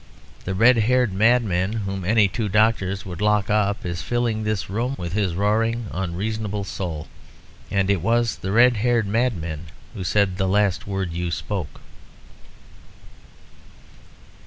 The red haired madman whom any two doctors would lock up is filling this room with his roaring, unreasonable soul. And it was the red haired madman who said the last word you spoke."